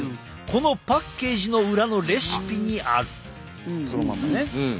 このパッケージの裏のレシピにある。